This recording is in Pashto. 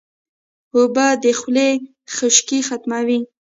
اوبه د خولې خشکي ختموي